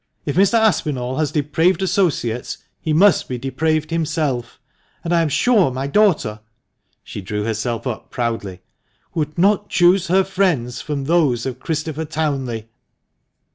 If Mr. Aspinall has depraved associates, he must be depraved himself; and I am sure my daughter" — she drew herself up proudly — "would not choose her friends from those of Christopher Townley."